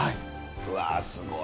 うわー、すごい。